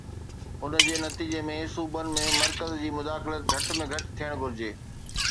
ان جي نتيجي ۾ صوبن ۾ مرڪز جي مداخلت گهٽ ۾ گهٽ ٿيڻ گهرجي.